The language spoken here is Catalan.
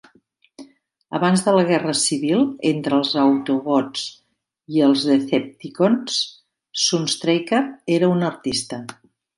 Abans de la guerra civil entre els Autobots i els Decepticons, Sunstreaker era un artista.